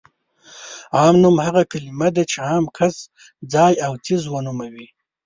عام نوم هغه کلمه ده چې عام کس، ځای او څیز ونوموي.